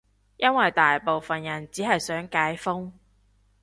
因爲大部分人只係想解封